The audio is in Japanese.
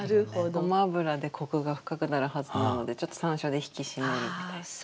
ごま油でコクが深くなるはずなのでちょっとさんしょうで引き締めるみたいな。